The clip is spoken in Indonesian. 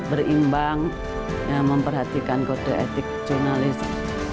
berimbang memperhatikan kode etik jurnalis